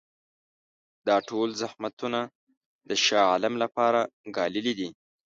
دا ټول زحمتونه د شاه عالم لپاره ګاللي دي.